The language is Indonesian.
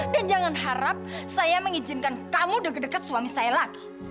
dan jangan harap saya mengizinkan kamu deket deket suami saya lagi